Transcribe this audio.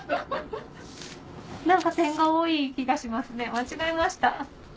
何か点が多い気がしますね間違えました。